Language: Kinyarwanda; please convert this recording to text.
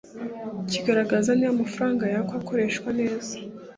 kigaragaza niba amafaranga yakwa akoreshwa neza